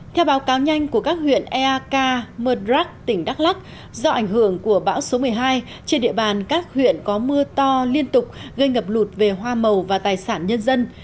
theo báo cáo nhanh của các huyện eak mơrak tỉnh đắk lắc do ảnh hưởng của bão số một mươi hai trên địa bàn các huyện có mưa to liên tục gây ngập lụt về hoa màu và tài sản nhân dân